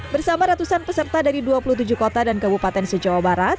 bersama ratusan peserta dari dua puluh tujuh kota dan kebupaten sejauh barat